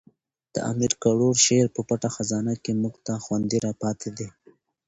د امیر کروړ شعر په پټه خزانه کښي موږ ته خوندي را پاته دئ.